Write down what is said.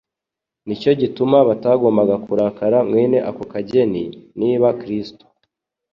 nicyo gituma batagombaga kurakara mwene ako kageni niba Kristo